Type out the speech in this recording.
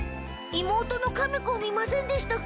妹のカメ子を見ませんでしたか？